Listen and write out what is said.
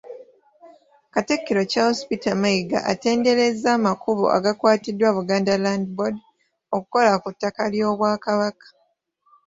Katikkiro Charles Peter Mayiga atenderezza amakubo agakwatiddwa Buganda Land Board okukola ku ttaka ly’Obwakabaka.